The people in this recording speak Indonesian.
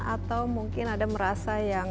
atau mungkin ada merasa yang